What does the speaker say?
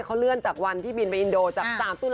ออกงานอีเวนท์ครั้งแรกไปรับรางวัลเกี่ยวกับลูกทุ่ง